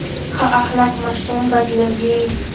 ښه اخلاق ماشوم بدلوي.